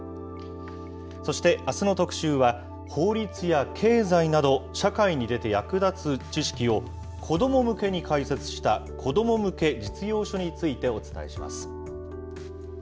そして、あすの特集は、法律や経済など、社会に出て役立つ知識を子ども向けに解説した、子ども向け実用書についてお伝えします。